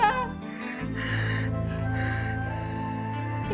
jangan pukul ibu orang ini